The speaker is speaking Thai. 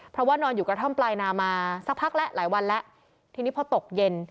เพราะว่านอนอยู่กระท่อมปลายนามาสักพักแล้วหลายวันแล้วทีนี้พอตกเย็น